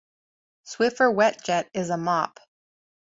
Swiffer WetJet is a mop.